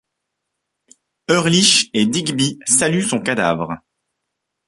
Erlich et Digby saluent son cadavre.